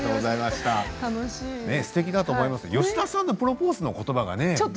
すてきだと思いますけど吉田さんのプロポーズのことばがね。